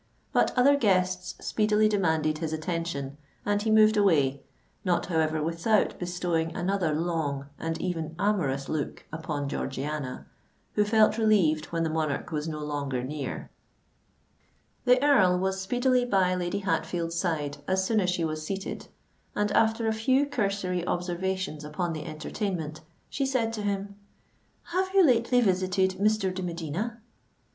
But other guests speedily demanded his attention, and he moved away, not however without bestowing another long and even amorous look upon Georgiana, who felt relieved when the monarch was no longer near. The Earl was speedily by Lady Hatfield's side, as soon as she was seated; and, after a few cursory observations upon the entertainment, she said to him, "Have you lately visited Mr. de Medina?"